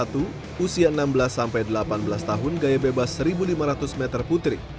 rekor nasional kelompok umur satu usia enam belas delapan belas tahun gaya bebas seribu lima ratus meter putri